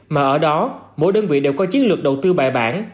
mà ở đó mỗi đơn vị đều có chiến lược đầu tư bài bản